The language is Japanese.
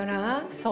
そう。